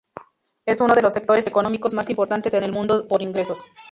Es uno de los sectores económicos más importantes en el mundo por ingresos.